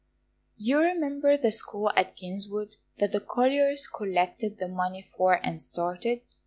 YOU remember the school at Kingswood, that the colliers collected the money for and started?